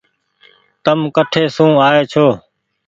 تم ڪٺي سون آئي ڇو۔